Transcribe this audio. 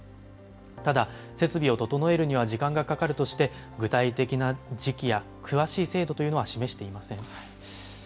ただ、設備を整えるには時間がかかるとして、具体的な時期や詳しい制度というのは示していません。